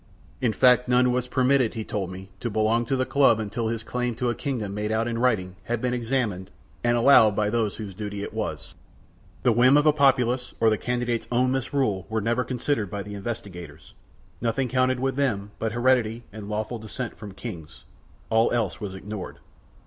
In fact none was permitted, he told me, to belong to the club until his claim to a kingdom made out in writing had been examined and allowed by those whose duty it was. The whim of a populace or the candidate's own misrule were never considered by the investigators, nothing counted with them but heredity and lawful descent from kings, all else was ignored.